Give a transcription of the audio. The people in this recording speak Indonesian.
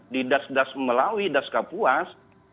di das das melawi das kapuas